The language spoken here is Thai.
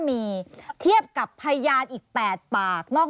ในปี๘ปี๘คน